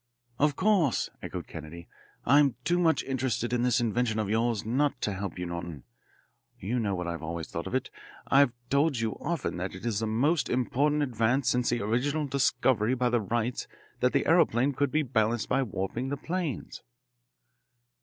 "Of course," echoed Kennedy. "I'm too much interested in this invention of yours not to help you, Norton. You know what I've always thought of it I've told you often that it is the most important advance since the original discovery by the Wrights that the aeroplane could be balanced by warping the planes."